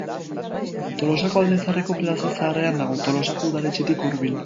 Tolosako Alde Zaharreko Plaza Zaharrean dago, Tolosako udaletxetik hurbil.